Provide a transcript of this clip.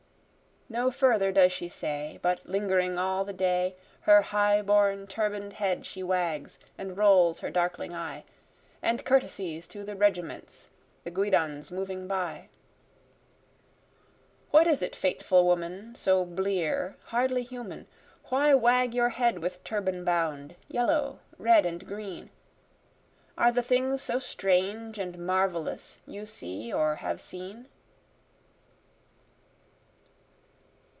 No further does she say, but lingering all the day, Her high borne turban'd head she wags, and rolls her darkling eye, And courtesies to the regiments, the guidons moving by. What is it fateful woman, so blear, hardly human? Why wag your head with turban bound, yellow, red and green? Are the things so strange and marvelous you see or have seen?